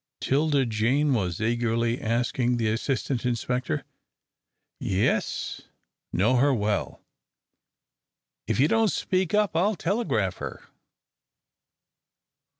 'Tilda Jane was eagerly asking the assistant inspector. "Yes know her well. If you don't speak up I'll telegraph her."